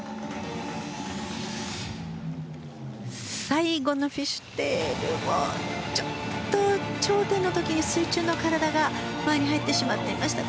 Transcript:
最後のフィッシュテールもちょっと頂点の時に水中の体が前に入ってしまいました。